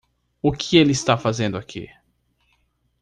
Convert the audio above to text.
O que ele está fazendo aqui?